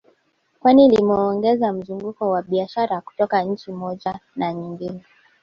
Kwani limeongeza mzunguko wa biashara kutoka nchi moja na nyingine